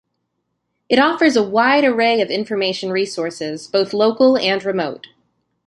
It offers a wide array of information resources, both local and remote.